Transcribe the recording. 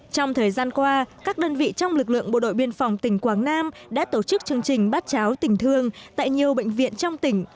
trong thời gian qua các đơn vị trong lực lượng bộ đội biên phòng tỉnh quảng nam đã tổ chức chương trình bát cháo tình thương tại nhiều bệnh viện trong tỉnh